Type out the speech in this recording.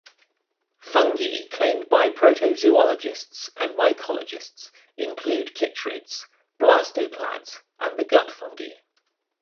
Fungi claimed by protozoologists and mycologists include chytrids, blastoclads, and the gut fungi.